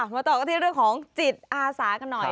มาต่อกันที่เรื่องของจิตอาสากันหน่อย